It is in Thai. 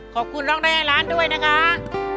ขอบคุณร่องแร่ร้านด้วยนะคะ